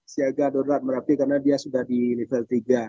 siaga darurat merapi karena dia sudah di level tiga